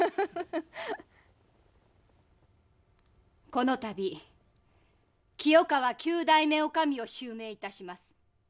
この度きよ川９代目女将を襲名いたします。